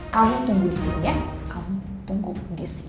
kamu tunggu disini ya kamu tunggu disini